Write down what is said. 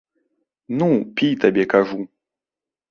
Ну, пі, табе кажу!